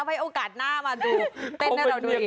ให้โอกาสหน้ามาดูเต้นให้เราดี